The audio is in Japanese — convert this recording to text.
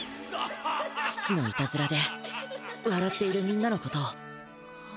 父のいたずらでわらっているみんなのことを。